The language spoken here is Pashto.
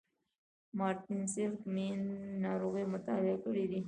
مارټين سېليګ مېن ذهني ناروغۍ مطالعه کړې دي.